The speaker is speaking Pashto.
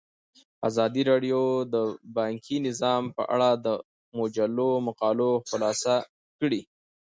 ازادي راډیو د بانکي نظام په اړه د مجلو مقالو خلاصه کړې.